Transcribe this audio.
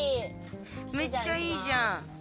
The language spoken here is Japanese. めっちゃいいじゃん。